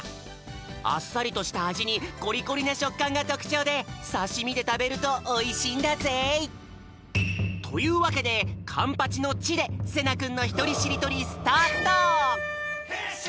あっさりとしたあじにコリコリなしょっかんがとくちょうでさしみでたべるとおいしいんだぜい！というわけでかんぱちの「ち」でせなくんのひとりしりとり「ぎ」。